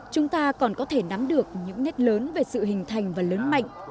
chúng ta còn có thể nắm được những nét lớn về sự hình thành và lớn mạnh